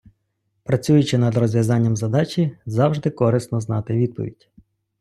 Працюючи над розв'язанням задачі, завжди корисно знати відповідь.